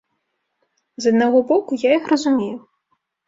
З аднаго боку, я іх разумею.